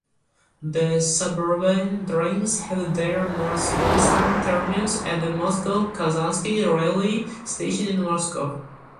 The suburban trains have their northwestern terminus at Moscow Kazansky railway station in Moscow.